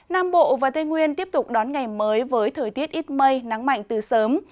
nam bộ và tây nguyên tiếp tục đón ngày mới với thời tiết ít mây nắng mạnh từ sớm